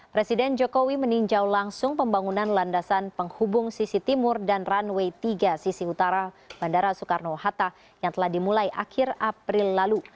presiden jokowi meninjau langsung pembangunan landasan penghubung sisi timur dan runway tiga sisi utara bandara soekarno hatta yang telah dimulai akhir april lalu